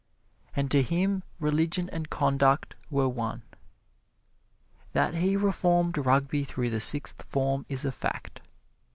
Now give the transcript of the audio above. And to him religion and conduct were one. That he reformed Rugby through the Sixth Form is a fact.